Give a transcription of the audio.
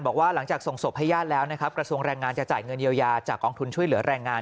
บอกว่าหลังจากส่งศพให้ญาติแล้วนะครับกระทรวงแรงงานจะจ่ายเงินเยียวยาจากกองทุนช่วยเหลือแรงงาน